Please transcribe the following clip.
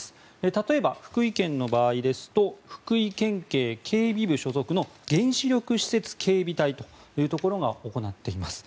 例えば、福井県の場合ですと福井県警警備部所属の原子力施設警備隊というところが行っています。